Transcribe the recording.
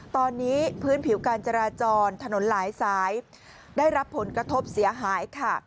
ตอนนี้พื้นผิวการจราจรถนนหลายสายได้รับผลกระทบเสียหายค่ะ